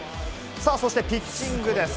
そしてピッチングです。